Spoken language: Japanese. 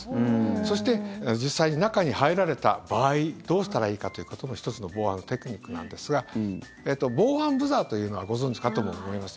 そして、実際に中に入られた場合どうしたらいいかということも１つの防犯のテクニックなんですが防犯ブザーというのはご存じかとも思います。